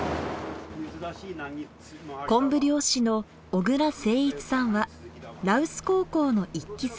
コンブ漁師の小倉誠一さんは羅臼高校の１期生。